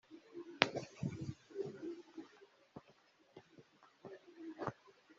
bazindukiye mu Mudugudu wa Ruhuha